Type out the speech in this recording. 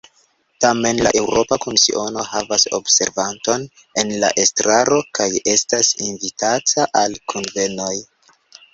Tamen, la Eŭropa Komisiono havas observanton en la estraro kaj estas invitata al kunvenoj.